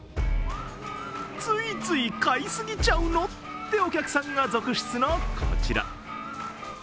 ついつい買い過ぎちゃうのってお客さんが続出のこちら。